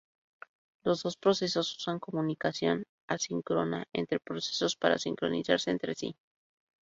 Los dos procesos usan comunicación asíncrona entre procesos para sincronizarse entre sí.